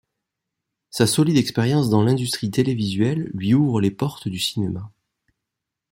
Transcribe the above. Sa solide expérience dans l’industrie télévisuelle lui ouvre les portes du cinéma.